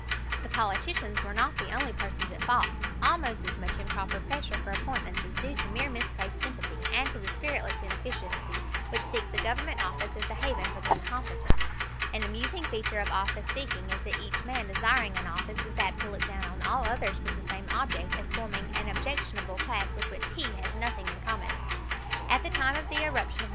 The politicians were not the only persons at fault; almost as much improper pressure for appointments is due to mere misplaced sympathy, and to the spiritless inefficiency which seeks a Government office as a haven for the incompetent. An amusing feature of office seeking is that each man desiring an office is apt to look down on all others with the same object as forming an objectionable class with which he has nothing in common. At the time of the eruption of Mt.